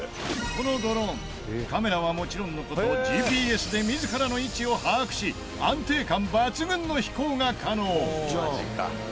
このドローンカメラはもちろんの事ＧＰＳで自らの位置を把握し安定感抜群の飛行が可能。